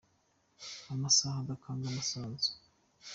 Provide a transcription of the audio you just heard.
Amasaha adakanga amasanzu